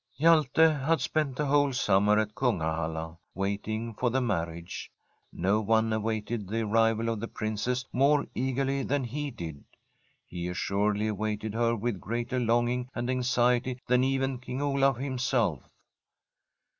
Hjalte had spent the whole summer at Kunga halla waiting for the marriage. No one awaited the arrival of the Princess more eagerly than he did. He assuredly awaited her with greater long ing and anxiety than even King Olaf himself.